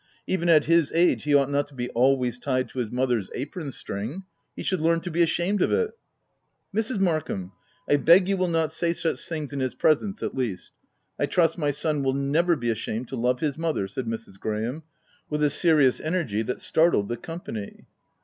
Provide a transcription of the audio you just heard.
Even at his age, he ought not to be always tied to his mother's apron string ; he should learn to be ashamed of it." " Mrs. Markham, I beg you will not say such things in his presence, at least. I trust my son will never be ashamed to love his mother f said Mrs. Graham, with a serious energy that startled the company.